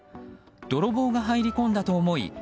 泥棒が入り込んだと思い